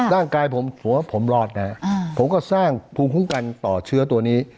ร่างกายผมหัวผมรอดนะฮะผมก็สร้างภูมิคุ้มกันต่อเชื้อตัวนี้